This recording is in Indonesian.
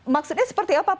maksudnya seperti apa